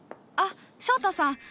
あっ翔太さん